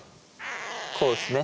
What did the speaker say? こうですね。